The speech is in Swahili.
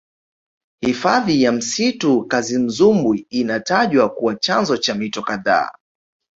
hifadhi ya msitu kazimzumbwi inatajwa kuwa chanzo cha mito kadhaa